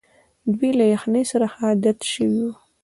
دوی له یخنۍ سره ښه عادت شوي وو.